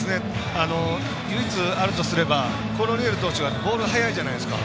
唯一あるとしたらコルニエル選手はボール、速いじゃないですか。